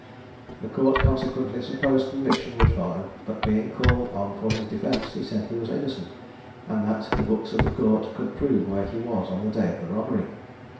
The court consequently supposed conviction would follow; but being called on for his defence, he said he was innocent, and that the books of the court would prove where he was on the day of the robbery.